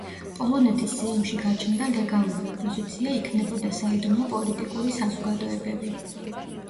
პოლონეთის სეიმში გაჩნდა ლეგალური ოპოზიცია, იქმნებოდა საიდუმლო პოლიტიკური საზოგადოებები.